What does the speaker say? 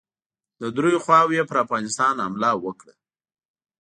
د دریو خواوو یې پر افغانستان حمله وکړه.